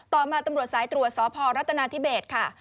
ต่อมาตำรวจสายตรวจสพรัฐนาธิเบสค่ะ